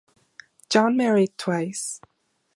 John married twice.